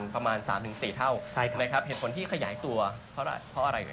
ประมาณ๓๔เท่านะครับเหตุผลที่ขยายตัวเพราะอะไรเนี่ย